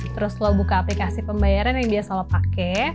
terus lo buka aplikasi pembayaran yang biasa lo pakai